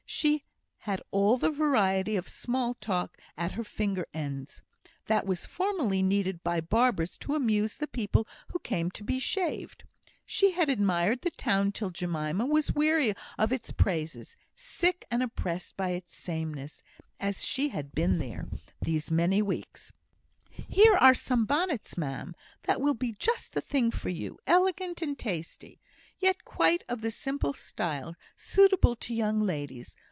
She had all the variety of small talk at her finger ends that was formerly needed by barbers to amuse the people who came to be shaved. She had admired the town till Jemima was weary of its praises, sick and oppressed by its sameness, as she had been these many weeks. "Here are some bonnets, ma'am, that will be just the thing for you elegant and tasty, yet quite of the simple style, suitable to young ladies.